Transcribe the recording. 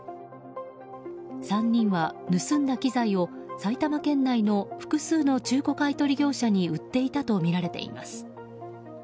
３には盗んだ機材を埼玉県内の複数の中古買い取り業者に売っていたとみられています。